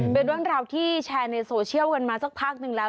เป็นเรื่องราวที่แชร์ในโซเชียลกันมาสักพักหนึ่งแล้ว